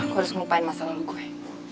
gue harus ngupain masalah gue